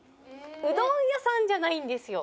うどん屋さんじゃないんですよ。